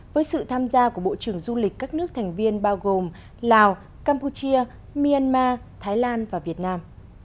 với sự tham gia của bộ trưởng du lịch các nước thành viên bao gồm lào campuchia myanmar thái lan và việt nam